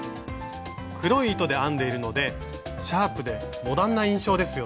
黒い糸で編んでいるのでシャープでモダンな印象ですよね。